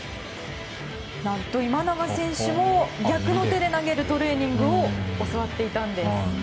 何と今永選手も逆の手で投げるトレーニングを教わっていたんです。